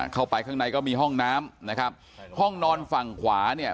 เข้าไปข้างในก็มีห้องน้ำนะครับห้องนอนฝั่งขวาเนี่ย